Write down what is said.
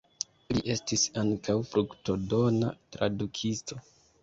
Li estis ankaŭ fruktodona tradukisto.